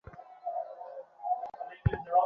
আমার বড় ইচ্ছা ছিল, ইঁহার সঙ্গে পুনর্বার কাশী যাই।